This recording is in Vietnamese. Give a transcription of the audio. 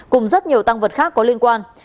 cùng rất nhiều tăng vật khác có liên quan